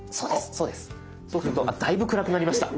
そうするとだいぶ暗くなりました。